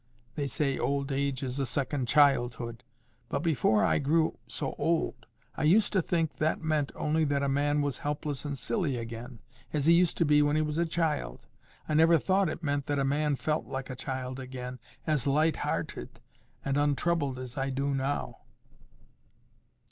—They say old age is a second childhood; but before I grew so old, I used to think that meant only that a man was helpless and silly again, as he used to be when he was a child: I never thought it meant that a man felt like a child again, as light hearted and untroubled as I do now."